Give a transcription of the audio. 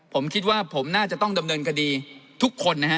ผมคิดว่าผมน่าจะต้องดำเนินคดีทุกคนนะฮะ